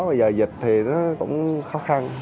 bây giờ dịch thì nó cũng khó khăn